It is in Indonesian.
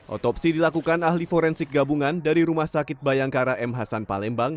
otopsi dilakukan ahli forensik gabungan dari rumah sakit bayangkara m hasan palembang